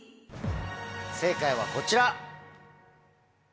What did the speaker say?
正解はこちら。